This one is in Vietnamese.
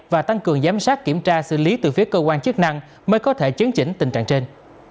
và tăng cường giám sát kiểm tra xử lý từ phía cơ quan chức năng mới có thể chấn chỉnh tình trạng trên